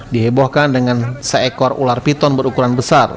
dihebohkan dengan seekor ular piton berukuran besar